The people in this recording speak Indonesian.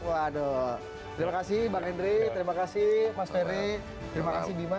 waduh terima kasih bang henry terima kasih mas ferry terima kasih bima